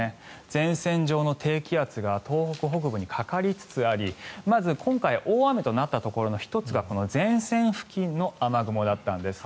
前線上の低気圧が東北北部にかかりつつありまず、今回大雨となったところの１つがこの前線付近の雨雲だったんです。